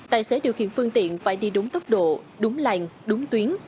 tài xế điều khiển phương tiện phải đi đúng tốc độ đúng làng đúng tuyến